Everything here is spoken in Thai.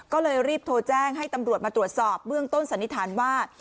ก็เลยรีบโทรแจ้งให้ตำรวจมาตรวจสอบเบื้องต้นสันนิษฐานว่า